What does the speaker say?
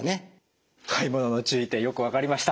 買い物の注意点よく分かりました。